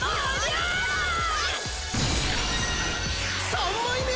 ３枚目！